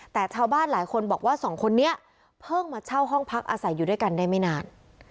แต่ชาวบ้านหลายคนบอกว่าสองคนนี้เพิ่งมาเช่าห้องพักอาศัยอยู่ด้วยกันได้ไม่นาน